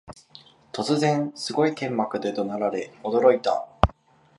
突然、すごい剣幕で怒鳴られ驚いた